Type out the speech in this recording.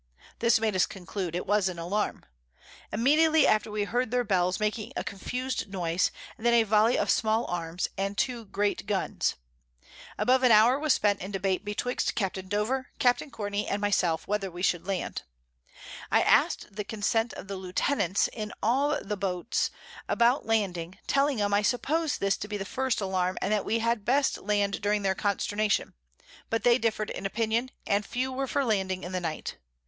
This made us conclude it was an Alarm. Immediately after we heard their Bells making a confused Noise, and then a Volly of Small Arms, and two Great Guns. Above an Hour was spent in Debate betwixt Capt. Dover, Capt. Courtney, and my self, whether we should land. I asked the Consent of the Lieutenants in all the Boats about Landing, telling 'em I suppos'd this to be the first Alarm, and that we had best land during their Consternation; but they differ'd in opinion, and few were for landing in the Night.